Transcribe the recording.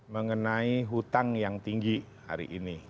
mengenai hutang yang tinggi hari ini